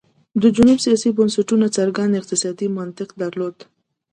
د جنوب سیاسي بنسټونو څرګند اقتصادي منطق درلود.